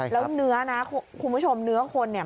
แล้วเนื้อนะคุณผู้ชมเนื้อคนเนี่ย